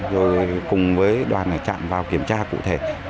rồi cùng với đoàn trạm vào kiểm tra cụ thể